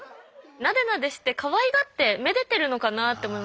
なでなでしてかわいがってめでてるのかなと思いました。